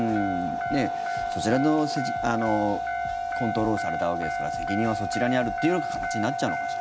そちらでコントロールされたわけですから責任はそちらにあるっていう形になっちゃうのかしら。